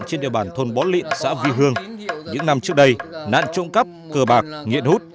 trên địa bàn thôn bó lịn xã vi hương những năm trước đây nạn trộm cắp cờ bạc nghiện hút